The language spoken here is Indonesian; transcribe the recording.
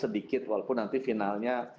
sedikit walaupun nanti finalnya